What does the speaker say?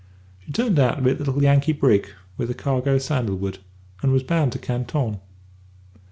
"She turned out to be a little Yankee brig, with a cargo of sandalwood, and was bound to Canton.